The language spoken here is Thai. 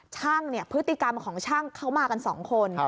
ช่างเนี่ยพฤติกรรมของช่างเขามากัน๒คน